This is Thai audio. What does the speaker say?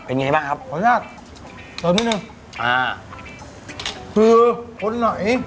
เป็นยังไงบ้างครับเผชฌ์